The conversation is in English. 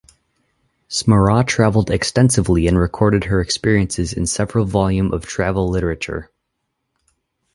Smara traveled extensively and recorded her experiences in several volume of travel literature.